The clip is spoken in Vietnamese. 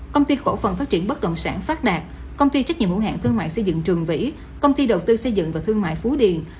công ty cổ phần phát triển bất động sản phát đạt công ty trách nhiệm hữu hạng thương mại xây dựng trường vĩ công ty đầu tư xây dựng và thương mại phú điền